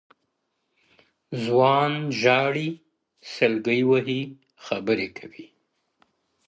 ځوان ژاړي سلگۍ وهي خبري کوي,